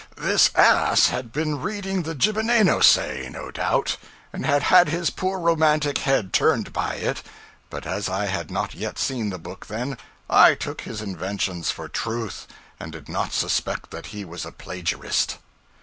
This ass had been reading the 'Jibbenainosay,' no doubt, and had had his poor romantic head turned by it; but as I had not yet seen the book then, I took his inventions for truth, and did not suspect that he was a plagiarist.